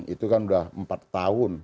itu kan sudah empat tahun